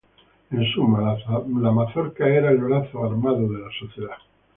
En suma, la Mazorca era el brazo armado de la Sociedad.